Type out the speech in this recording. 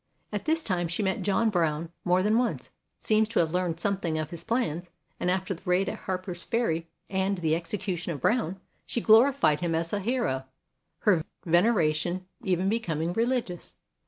At this time she met John Brown more than once, seems to have learned something of his plans, and after the raid at Harper's Ferry and the execution of Brown she glorified him as a hero, her veneration even becoming religious.